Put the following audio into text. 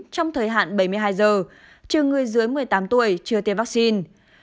trong thời hạn bảy mươi hai giờ trừ người dưới một mươi tám tuổi chưa tiêm vaccine